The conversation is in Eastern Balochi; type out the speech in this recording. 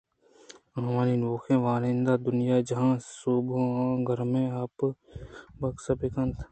آئی ءِ نوکیں واہُندءَ دنیا ءُ جہان ءِ صابُون ءُ گرمیں آپ ءِ بکس ءُ بند کنائینت